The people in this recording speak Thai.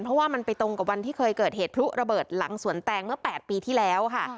เพราะว่ามันไปตรงกับวันที่เคยเกิดเหตุพลุระเบิดหลังสวนแตงเมื่อ๘ปีที่แล้วค่ะ